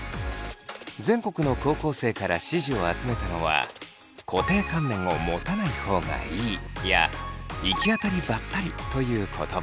全国の高校生から支持を集めたのは「固定観念を持たない方がいい」や「行き当たりばったり」という言葉。